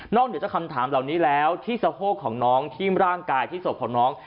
เหนือจากคำถามเหล่านี้แล้วที่สะโพกของน้องที่ร่างกายที่ศพของน้อง